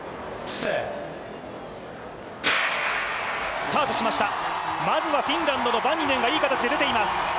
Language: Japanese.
スタートしました、まずはフィンランドのバンニネンがいい形で出ています。